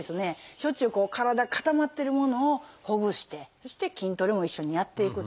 しょっちゅうこう体固まってるものをほぐしてそして筋トレも一緒にやっていくと。